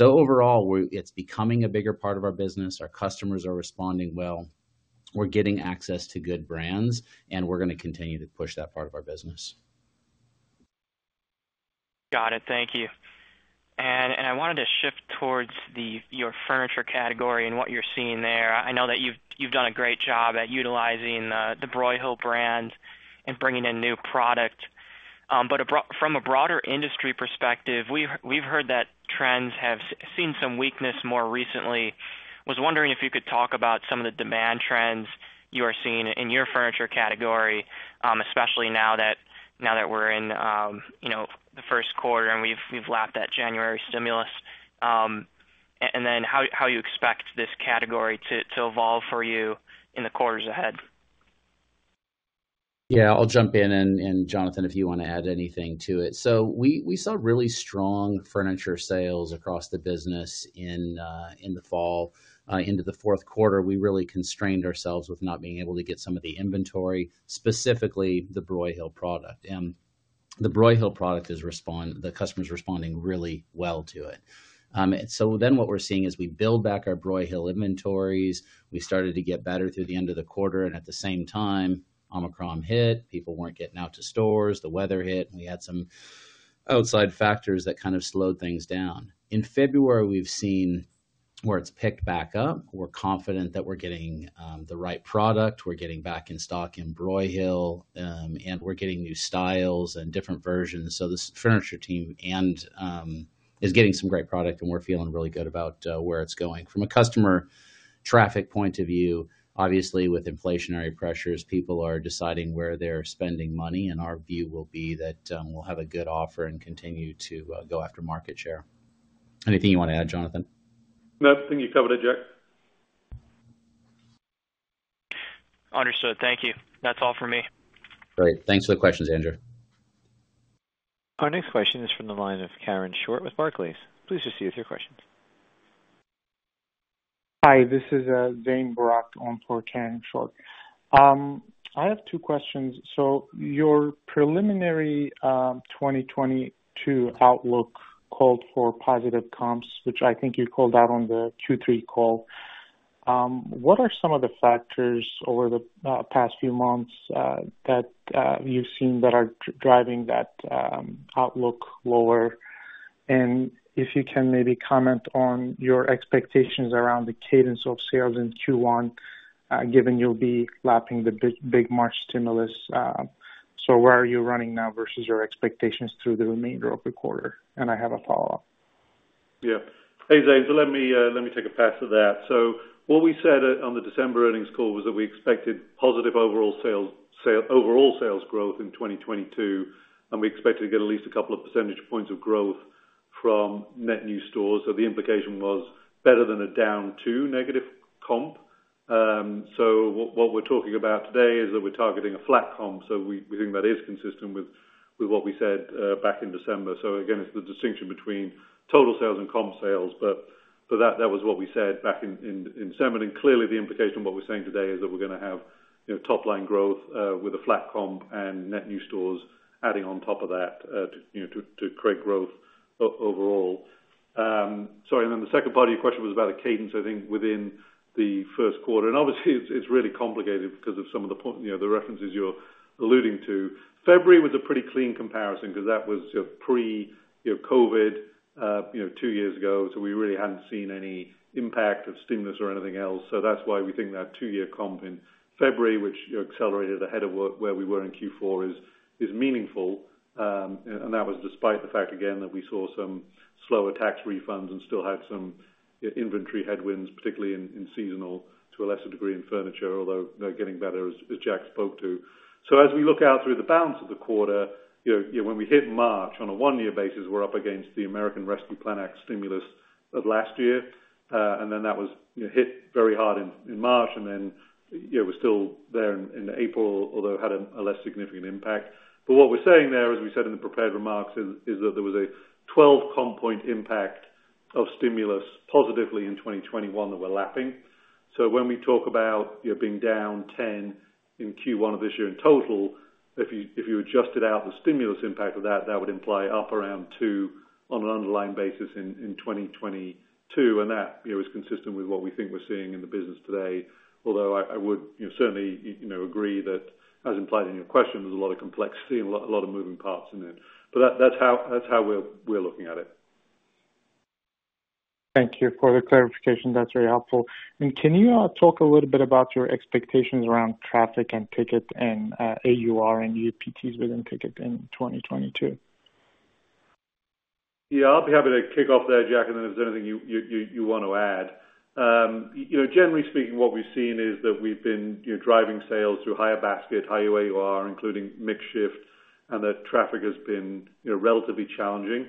Overall, it's becoming a bigger part of our business. Our customers are responding well. We're getting access to good brands, and we're gonna continue to push that part of our business. Got it. Thank you. I wanted to shift towards your furniture category and what you're seeing there. I know that you've done a great job at utilizing the Broyhill brand and bringing in new product. But from a broader industry perspective, we've heard that trends have seen some weakness more recently. Was wondering if you could talk about some of the demand trends you are seeing in your furniture category, especially now that we're in the first quarter and we've lapped that January stimulus. Then how you expect this category to evolve for you in the quarters ahead. Yeah, I'll jump in and Jonathan, if you wanna add anything to it. We saw really strong furniture sales across the business in the fall. Into the fourth quarter, we really constrained ourselves with not being able to get some of the inventory, specifically the Broyhill product. The Broyhill product is the customers are responding really well to it. What we're seeing is we build back our Broyhill inventories. We started to get better through the end of the quarter, and at the same time, Omicron hit. People weren't getting out to stores. The weather hit, and we had some outside factors that kind of slowed things down. In February, we've seen where it's picked back up. We're confident that we're getting the right product. We're getting back in stock in Broyhill, and we're getting new styles and different versions. This furniture team is getting some great product, and we're feeling really good about where it's going. From a customer traffic point of view, obviously with inflationary pressures, people are deciding where they're spending money, and our view will be that we'll have a good offer and continue to go after market share. Anything you wanna add, Jonathan? Nothing. You covered it, Jack. Understood. Thank you. That's all for me. Great. Thanks for the questions, Andrew. Our next question is from the line of Karen Short with Barclays. Please proceed with your questions. Hi, this is Zane Novak on for Karen Short. I have two questions. Your preliminary 2022 outlook called for positive comps, which I think you called out on the Q3 call. What are some of the factors over the past few months that you've seen that are driving that outlook lower? If you can maybe comment on your expectations around the cadence of sales in Q1, given you'll be lapping the big March stimulus. Where are you running now versus your expectations through the remainder of the quarter? I have a follow-up. Yeah. Hey, Zane. Let me take a pass at that. What we said on the December earnings call was that we expected positive overall sales growth in 2022, and we expected to get at least a couple of percentage points of growth from net new stores. The implication was better than a down to negative comp. What we're talking about today is that we're targeting a flat comp. We think that is consistent with what we said back in December. Again, it's the distinction between total sales and comp sales. That was what we said back in December. Clearly the implication of what we're saying today is that we're gonna have, you know, top line growth with a flat comp and net new stores adding on top of that to create growth overall. Sorry, and then the second part of your question was about the cadence, I think, within the first quarter. Obviously it's really complicated because of some of the references you're alluding to. February was a pretty clean comparison because that was, you know, pre COVID two years ago, so we really hadn't seen any impact of stimulus or anything else. So that's why we think that two-year comp in February, which, you know, accelerated ahead of where we were in Q4 is meaningful. That was despite the fact again that we saw some slower tax refunds and still had some inventory headwinds, particularly in seasonal to a lesser degree in furniture, although you know getting better as Jack spoke to. As we look out through the balance of the quarter, you know when we hit March on a one-year basis, we're up against the American Rescue Plan Act stimulus of last year. That was you know hit very hard in March and then you know was still there in April, although had a less significant impact. What we're saying there, as we said in the prepared remarks, is that there was a 12 comp point impact of stimulus positively in 2021 that we're lapping. When we talk about, you know, being down 10% in Q1 of this year in total, if you adjusted out the stimulus impact of that would imply up around 2% on an underlying basis in 2022, and that, you know, is consistent with what we think we're seeing in the business today. Although I would, you know, agree that as implied in your question, there's a lot of complexity and a lot of moving parts in it. That's how we're looking at it. Thank you for the clarification. That's very helpful. Can you talk a little bit about your expectations around traffic and ticket and AUR and UPTs within ticket in 2022? Yeah, I'll be happy to kick off there, Jack, and then if there's anything you wanna add. You know, generally speaking, what we've seen is that we've been driving sales through higher basket, higher AUR, including mix shift, and that traffic has been relatively challenging.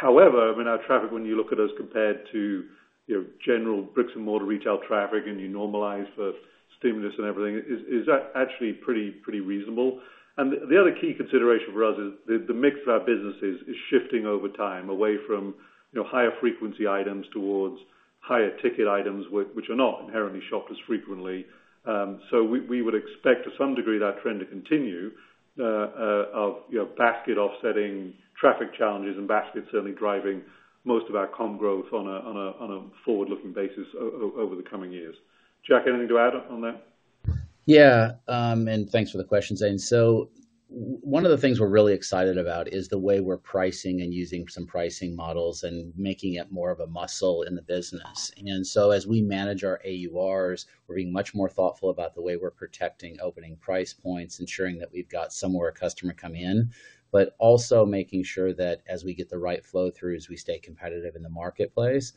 However, I mean, our traffic when you look at us compared to your general bricks and mortar retail traffic, and you normalize the stimulus and everything, is actually pretty reasonable. The other key consideration for us is the mix of our businesses is shifting over time away from higher frequency items towards higher ticket items which are not inherently shopped as frequently. We would expect to some degree that trend to continue of you know basket offsetting traffic challenges and baskets certainly driving most of our comp growth on a forward-looking basis over the coming years. Jack, anything to add on that? Thanks for the question, Zane. One of the things we're really excited about is the way we're pricing and using some pricing models and making it more of a muscle in the business. As we manage our AURs, we're being much more thoughtful about the way we're protecting opening price points, ensuring that we've got some way for a customer to come in, but also making sure that as we get the right flow through, as we stay competitive in the marketplace.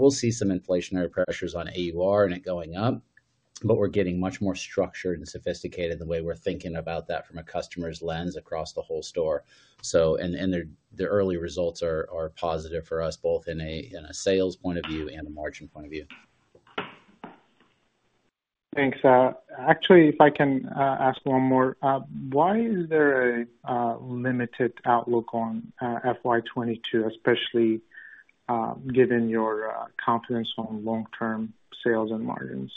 We'll see some inflationary pressures on AUR and it going up, but we're getting much more structured and sophisticated in the way we're thinking about that from a customer's lens across the whole store. The early results are positive for us both in a sales point of view and a margin point of view. Thanks. Actually, if I can ask one more. Why is there a limited outlook on FY 2022, especially given your confidence on long-term sales and margins?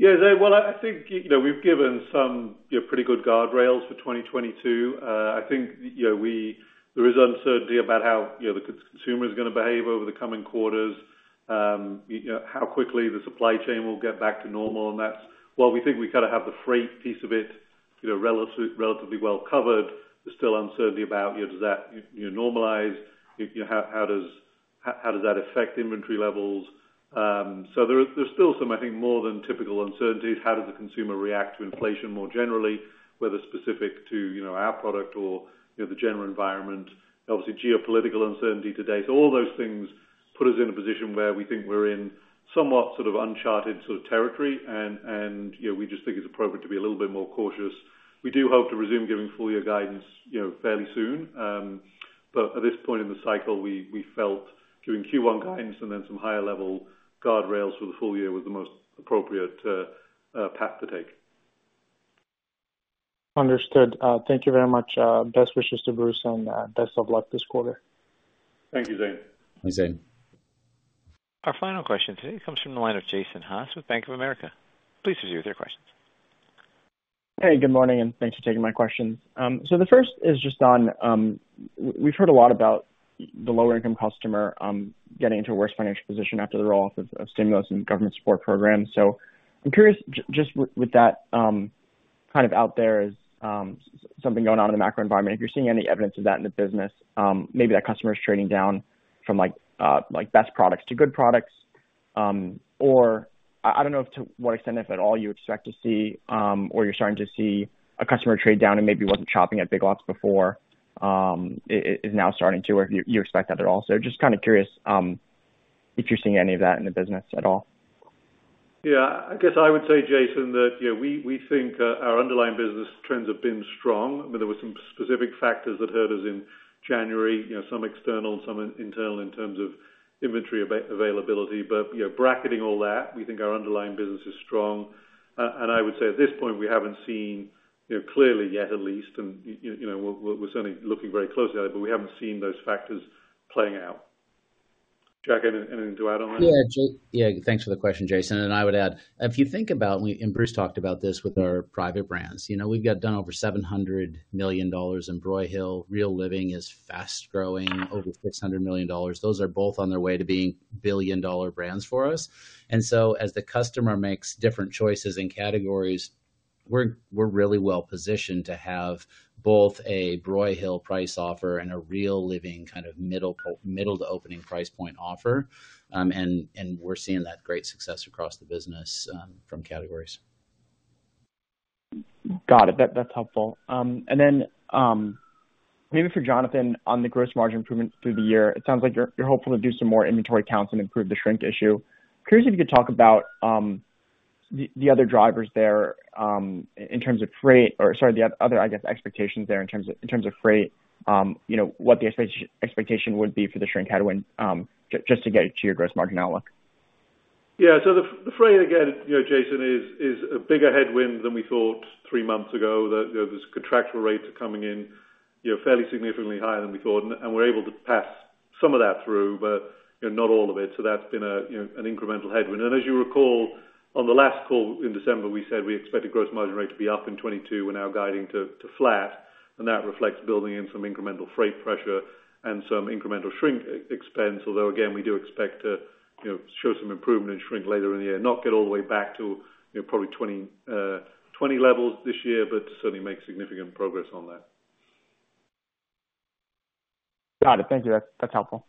Zane, well, I think, you know, we've given some pretty good guardrails for 2022. I think, you know, there is uncertainty about how the consumer's gonna behave over the coming quarters. How quickly the supply chain will get back to normal, and that's while we think we kinda have the freight piece of it, you know, relatively well covered, there's still uncertainty about, you know, does that, you know, normalize? How does that affect inventory levels? So there's still some, I think, more than typical uncertainties. How does the consumer react to inflation more generally, whether specific to, you know, our product or, you know, the general environment? Obviously, geopolitical uncertainty today. All those things put us in a position where we think we're in somewhat sort of uncharted sort of territory and, you know, we just think it's appropriate to be a little bit more cautious. We do hope to resume giving full year guidance, you know, fairly soon. At this point in the cycle, we felt giving Q1 guidance and then some higher level guardrails for the full year was the most appropriate path to take. Understood. Thank you very much. Best wishes to Bruce and best of luck this quarter. Thank you, Zane. Bye, Zane. Our final question today comes from the line of Jason Haas with Bank of America. Please proceed with your questions. Hey, good morning, and thanks for taking my questions. The first is just on, we've heard a lot about the lower income customer getting into a worse financial position after the roll-off of stimulus and government support programs. I'm curious just with that kind of out there as something going on in the macro environment, if you're seeing any evidence of that in the business, maybe that customer is trading down from like best products to good products. I don't know to what extent, if at all you expect to see or you're starting to see a customer trade down and maybe wasn't shopping at Big Lots before is now starting to, or if you expect that at all. Just kinda curious, if you're seeing any of that in the business at all? Yeah. I guess I would say, Jason, that, you know, we think our underlying business trends have been strong. I mean, there were some specific factors that hurt us in January, you know, some external and some internal in terms of inventory availability. But, you know, bracketing all that, we think our underlying business is strong. And I would say at this point, we haven't seen, you know, clearly yet, at least, and you know, we're certainly looking very closely at it, but we haven't seen those factors playing out. Jack, anything to add on that? Yeah. Thanks for the question, Jason. I would add, if you think about when Bruce talked about this with our private brands. You know, we've done over $700 million in Broyhill. Real Living is fast growing, over $600 million. Those are both on their way to being billion-dollar brands for us. As the customer makes different choices in categories, we're really well positioned to have both a Broyhill price offer and a Real Living kind of middle to opening price point offer. We're seeing that great success across the business from categories. Got it. That's helpful. Then, maybe for Jonathan, on the gross margin improvements through the year, it sounds like you're hopeful to do some more inventory counts and improve the shrink issue. Curious if you could talk about the other drivers there, in terms of freight or, sorry, the other, I guess, expectations there in terms of freight. What the expectation would be for the shrink headwind, just to get to your gross margin outlook. Yeah. The freight again, you know, Jason, is a bigger headwind than we thought three months ago. The the contractual rates are coming in, you know, fairly significantly higher than we thought, and we're able to pass some of that through, but not all of it. That's been a, you know, an incremental headwind. As you recall, on the last call in December, we said we expected gross margin rate to be up in 2022. We're now guiding to flat, and that reflects building in some incremental freight pressure and some incremental shrink expense. Although again, we do expect to show some improvement in shrink later in the year. Not get all the way back to probably 2020 levels this year, but certainly make significant progress on that. Got it. Thank you. That, that's helpful.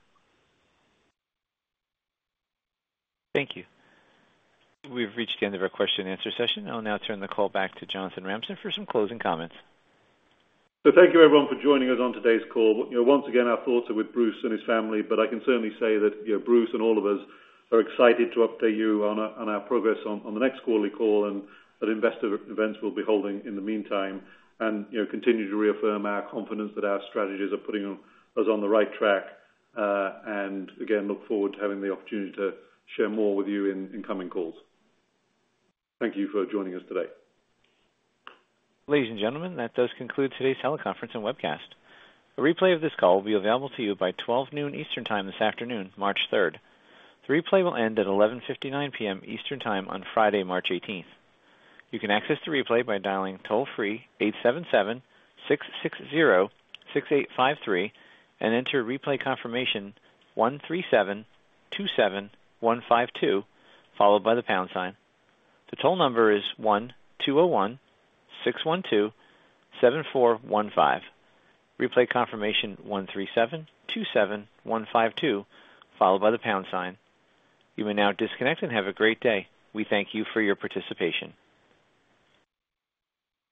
Thank you. We've reached the end of our question and answer session. I'll now turn the call back to Jonathan Ramsden for some closing comments. Thank you everyone for joining us on today's call. You know, once again, our thoughts are with Bruce and his family. I can certainly say that, you know, Bruce and all of us are excited to update you on our progress on the next quarterly call and at investor events we'll be holding in the meantime. Continue to reaffirm our confidence that our strategies are putting us on the right track. Again, look forward to having the opportunity to share more with you in incoming calls. Thank you for joining us today. Ladies and gentlemen, that does conclude today's teleconference and webcast. A replay of this call will be available to you by 12 noon Eastern Time this afternoon, March 3. The replay will end at 11:59 P.M. Eastern Time on Friday, March 18. You can access the replay by dialing toll-free 877-660-6853 and enter replay confirmation 13727152, followed by the pound sign. The toll number is 201-612-7415. Replay confirmation 13727152, followed by the pound sign. You may now disconnect and have a great day. We thank you for your participation.